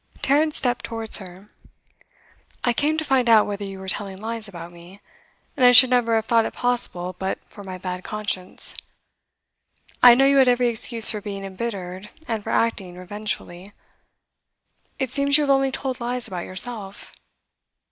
Tarrant stepped towards her. 'I came to find out whether you were telling lies about me, and I should never have thought it possible but for my bad conscience. I know you had every excuse for being embittered and for acting revengefully. It seems you have only told lies about yourself.